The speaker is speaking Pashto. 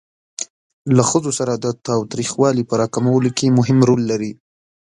له ښځو سره د تاوتریخوالي په را کمولو کې مهم رول لري.